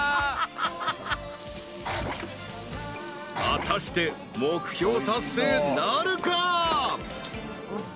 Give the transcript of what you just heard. ［果たして目標達成なるか？］